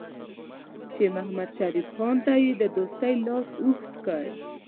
چې محمدشریف خان ته یې د دوستۍ لاس اوږد کړ.